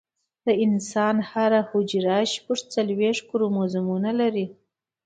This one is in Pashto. د انسان هره حجره شپږ څلوېښت کروموزومونه لري